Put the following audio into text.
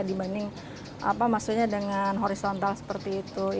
dibanding dengan horizontal seperti itu